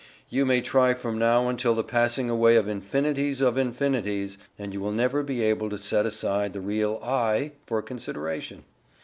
You may try from now until the passing away of infinities of infinities, and you will never be able to set aside the real "I" for consideration.